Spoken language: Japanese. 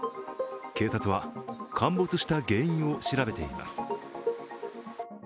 警察は陥没した原因を調べています。